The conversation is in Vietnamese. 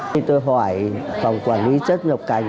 khi tôi hỏi phòng quản lý xuất nhập cảnh